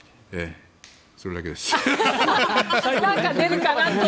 それだけです。